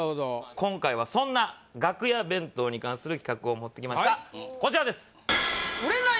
今回はそんな楽屋弁当に関する企画を持ってきましたはい！